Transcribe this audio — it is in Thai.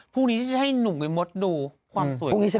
พรุ่งนี้จะให้หนุ่มไปมดดูความสวยของฉัน